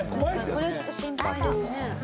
これはちょっと心配ですね。